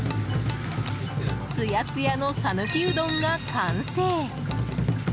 つやつやの讃岐うどんが完成。